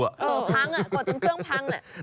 กดจนเครื่องพัง